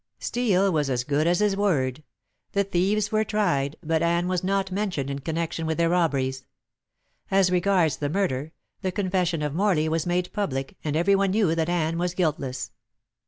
Steel was as good as his word. The thieves were tried, but Anne was not mentioned in connection with their robberies. As regards the murder, the confession of Morley was made public and every one knew that Anne was guiltless.